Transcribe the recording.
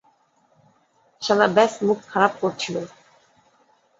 শালা ব্যস মুখ খারাপ করছিল।